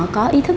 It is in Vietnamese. có ý thức